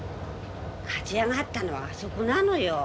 かじ屋があったのはあそこなのよ。